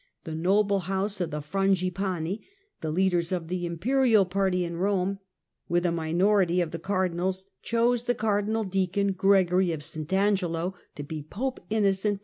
The noble house of the ^f^Q^ °^ Frangipani, the leaders of the imperial party in Rome, with a minority of the cardinals chose the cardinal deacon Gregory of St Angelo to be Pope Innocent II.